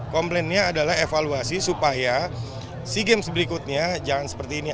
komplainnya adalah evaluasi supaya sea games berikutnya jangan seperti ini